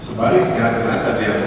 sebaliknya ternyata diakui